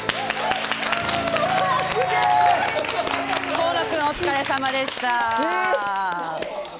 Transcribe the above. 河野君、お疲れさまでした。